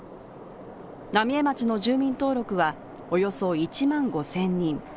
浪江町の住民登録は、およそ１万５０００人。